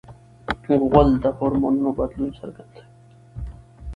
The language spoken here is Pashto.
غول د هورمونونو بدلونه څرګندوي.